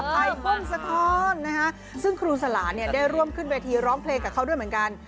ไอพงศธรนะฮะซึ่งครูสลาเนี่ยได้ร่วมขึ้นเวทีร้องเพลงกับเขาด้วยเหมือนกัน